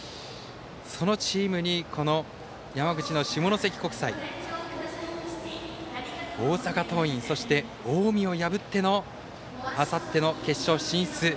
そのチームに山口の下関国際大阪桐蔭、近江を破ってのあさっての決勝進出。